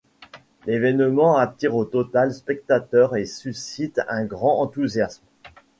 L’événement attire au total spectateurs et suscite un grand enthousiasme.